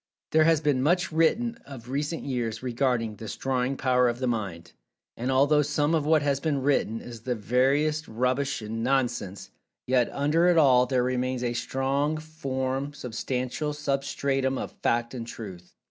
There has been much written of recent years regarding[Pg 228] this "Drawing Power of the Mind," and although some of what has been written is the veriest rubbish and nonsense, yet under it all there remains a strong, form, substantial substratum of Fact and Truth.